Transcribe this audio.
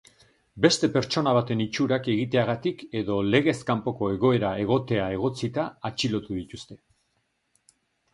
Beste pertsona baten itxurak egiteagatik edo legez kanpoko egoera egotea egotzita atxilotu dituzte.